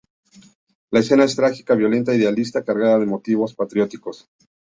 La escena es trágica, violenta, idealista, cargada de motivos patrióticos.